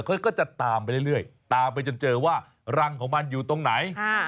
เขาก็จะตามไปเรื่อยตามไปจนเจอว่ารังของมันอยู่ตรงไหน